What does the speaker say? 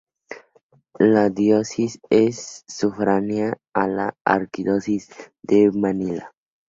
La diócesis es sufragánea a la Arquidiócesis de Manila.